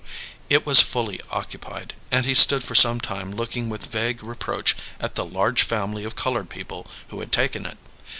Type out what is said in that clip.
It was fully occupied, and he stood for some time looking with vague reproach at the large family of coloured people who had taken it.